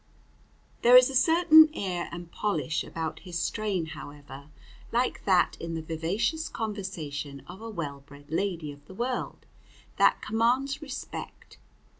There is a certain air and polish about his strain, however, like that in the vivacious conversation of a well bred lady of the world, that commands respect.